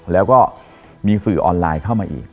แล้วก็มีสื่อออนไลน์เข้ามาอีก